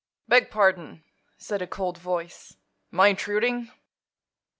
"Beg pardon," said a cold voice; "am I intruding?"